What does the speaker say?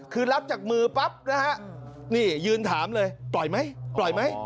คือรับจากมือปั๊บนะฮะนี่ยืนถามเลยปล่อยไหมปล่อยไหม